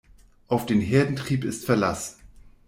Auf den Herdentrieb ist Verlass.